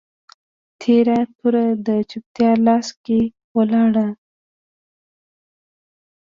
تیره توره د چوپتیا لاس کي ولاړه